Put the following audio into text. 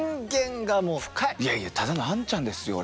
いやいやただのあんちゃんですよ俺。